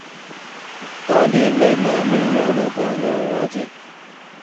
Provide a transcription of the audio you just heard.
تعیلم میے معنی یانہ بانا اواجی